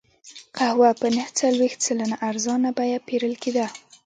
قهوه په نهه څلوېښت سلنه ارزانه بیه پېرل کېده.